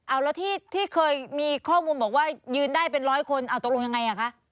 เอาแล้วที่เคยมีข้อมูลบอกว่ายืนได้เป็นร้อยคนเอาตกลงยังไงอ่ะคะ